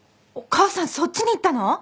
お母さんそっちに行ったの？